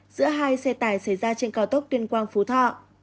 giữa hai xe tải xảy ra trên cao tốc tuyên quang phú thọ